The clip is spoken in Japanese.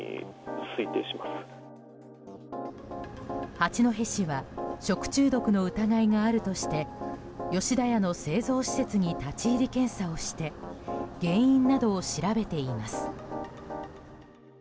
八戸市は食中毒の疑いがあるとして吉田屋の製造施設に立ち入り検査をして原因などを調べています。